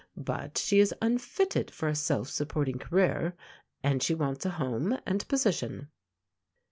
But she is unfitted for a self supporting career, and she wants a home and position.